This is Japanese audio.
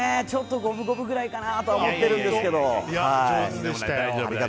ちょっと五分五分くらいかなとは思ってるんですけれども。